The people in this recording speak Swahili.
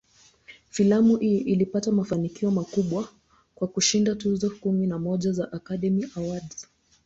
Filamu hii ilipata mafanikio makubwa, kwa kushinda tuzo kumi na moja za "Academy Awards".